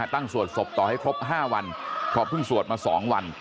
สวดศพต่อให้ครบ๕วันเพราะเพิ่งสวดมา๒วัน